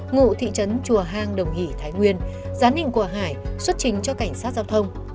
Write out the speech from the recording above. ngụ thị trấn chùa hàng đồng hỷ thái nguyên gián hình của hải xuất trình cho cảnh sát giao thông